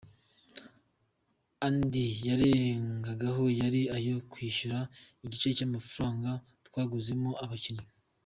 Andi yarengagaho yari ayo kwishyura igice cy’amafaranga twaguzemo abakinnyi.